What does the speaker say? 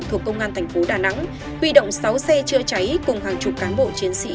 thuộc công an thành phố đà nẵng huy động sáu xe chữa cháy cùng hàng chục cán bộ chiến sĩ